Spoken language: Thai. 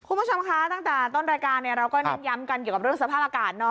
คุณผู้ชมคะตั้งแต่ต้นรายการเราก็เน้นย้ำกันเกี่ยวกับเรื่องสภาพอากาศ